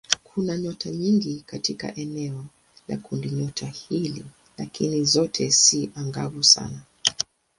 Kuna nyota nyingi katika eneo la kundinyota hili lakini zote si angavu sana.